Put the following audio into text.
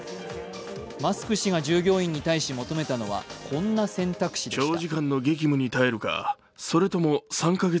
マスク氏が従業員に対し求めたのはこんな選択肢でした。